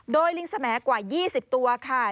โดยลิงสมกว่า๒๐ตัวค่ะ